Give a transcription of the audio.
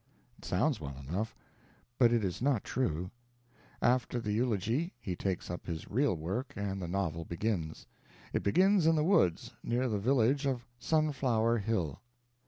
It sounds well enough, but it is not true. After the eulogy he takes up his real work and the novel begins. It begins in the woods, near the village of Sunflower Hill.